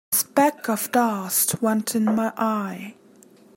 A spec of dust went in my eye.